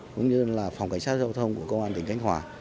cũng như là phòng cảnh sát giao thông của công an tỉnh khánh hòa